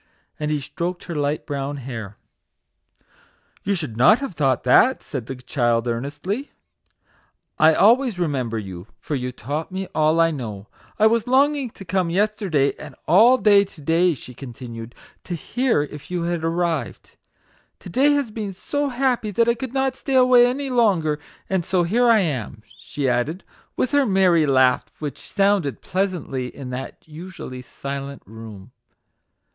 And he stroked her bright brown hair. " You should not have thought that," said the child, earnestly ;" I always remember you, for you taught me all I know. I was longing to come yesterday, and all day to day," she continued, " to hear if you had arrived. To day has been so happy that I could not stay away any longer, and so here I am," she added, with her merry laugh, which sounded pleasantly in that usually silent room.